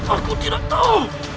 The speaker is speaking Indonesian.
aku tidak tahu